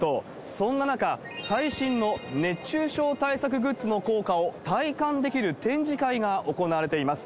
そんな中、最新の熱中症対策グッズの効果を体感できる展示会が行われています。